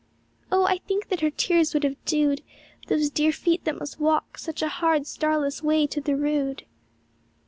Oh, I think that her tears would have dewed Those dear feet that must walk such a hard, starless way to the Rood!